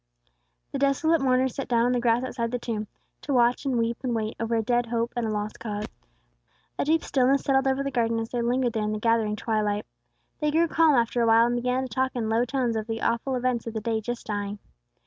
The desolate mourners sat down on the grass outside the tomb, to watch and weep and wait over a dead hope and a lost cause. A deep stillness settled over the garden as they lingered there in the gathering twilight. They grew calm after awhile, and began to talk in low tones of the awful events of the day just dying.